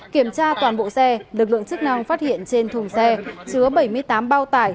kiểm tra toàn bộ xe lực lượng chức năng phát hiện trên thùng xe chứa bảy mươi tám bao tải